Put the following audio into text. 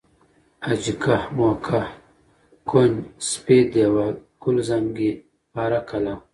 حاجي که، موکه، کونج، سپید دیوال، قل زنگي، پاره قلعه